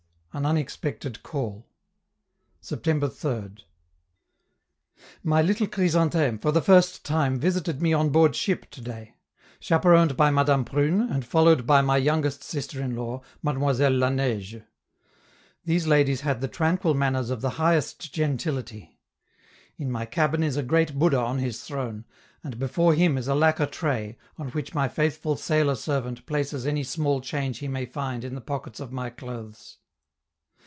AN UNEXPECTED CALL September 3d. My little Chrysantheme for the first time visited me on board ship to day, chaperoned by Madame Prune, and followed by my youngest sister in law, Mademoiselle La Neige. These ladies had the tranquil manners of the highest gentility. In my cabin is a great Buddha on his throne, and before him is a lacquer tray, on which my faithful sailor servant places any small change he may find in the pockets of my clothes.